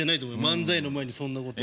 漫才の前にそんなこと。